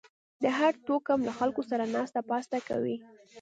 د هر توکم له خلکو سره ناسته پاسته کوئ